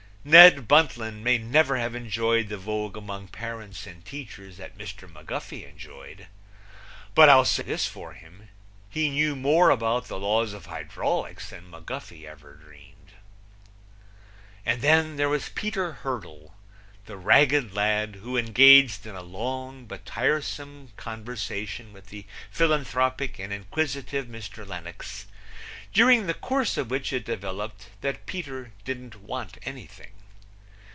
Ned Buntline may never have enjoyed the vogue among parents and teachers that Mr. McGuffey enjoyed, but I'll say this for him he knew more about the laws of hydraulics than McGuffey ever dreamed. And there was Peter Hurdle, the ragged lad who engaged in a long but tiresome conversation with the philanthropic and inquisitive Mr. Lenox, during the course of which it developed that Peter didn't want anything.